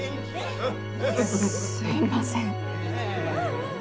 すいません。